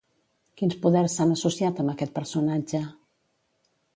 Quins poders s'han associat amb aquest personatge?